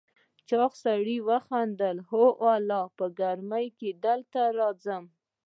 چاغ سړي وخندل: هو والله، په ګرمۍ کې دلته راځم.